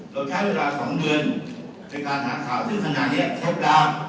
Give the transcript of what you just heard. เราใช้เวลา๒เดือนในการหาข่าวถึงขณะนี้ครบดาว